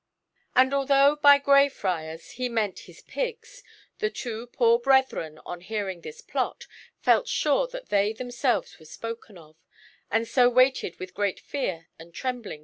And although by "Grey Friars" he meant his pigs, the two poor brethren, on hearing this plot, felt sure that they themselves were spoken of, (3) and so waited with great fear and trembling for the dawn.